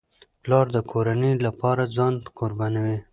پلار د کورنۍ لپاره ځان قربانوي.